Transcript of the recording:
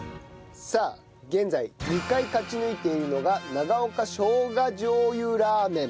さあ現在２回勝ち抜いているのが長岡生姜醤油ラーメン釜飯。